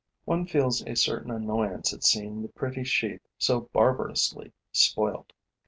One feels a certain annoyance at seeing the pretty sheath so barbarously spoilt.